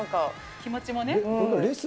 気持ちもね。